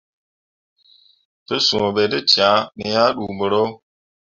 Te sũũ be ne cãã, me ah ɗuu mbǝro.